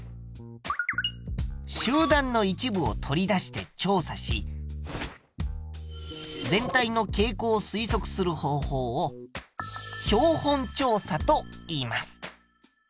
集団の一部を取り出して調査し全体の傾向を推測する方法を標本調査と言います。